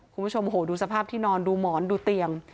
คุณผู้ชมโหดูสภาพที่นอนดูหมอนดูเตียง